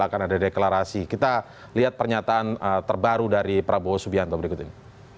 akan ada deklarasi kita lihat pernyataan terbaru dari prabowo subianto berikut ini